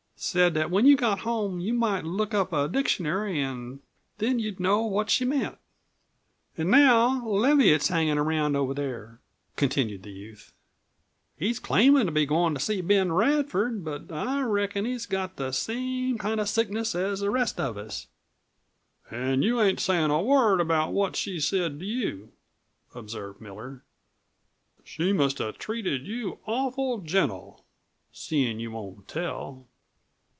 Said that when you got home you might look up a dictionary an' then you'd know what she meant. "An' now Leviatt's hangin' around over there," continued the youth. "He's claimin' to be goin' to see Ben Radford, but I reckon he's got the same kind of sickness as the rest of us." "An' you ain't sayin' a word about what she said to you," observed Miller. "She must have treated you awful gentle, seein' you won't tell."